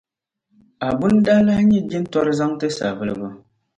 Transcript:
Abu n-daa lahi nyɛla jintori zaŋti Savulugu.